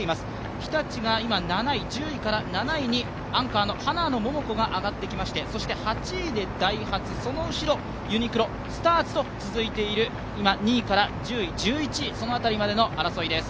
日立が１０位から７位にアンカーの花野桃子が上がってきまして８位でダイハツ、その後ろにユニクロ、スターツと続いている今、２位から１１位そのあたりまでの争いです。